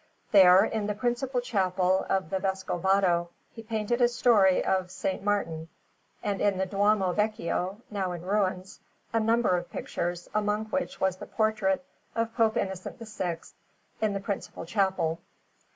There, in the principal chapel of the Vescovado, he painted a story of S. Martin, and in the Duomo Vecchio, now in ruins, a number of pictures, among which was the portrait of Pope Innocent VI, in the principal chapel.